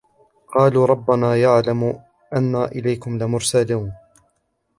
قالوا ربنا يعلم إنا إليكم لمرسلون